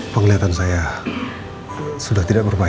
penglihatan saya sudah tidak berbahaya